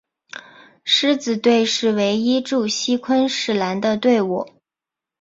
狮子队是唯一驻锡昆士兰的队伍。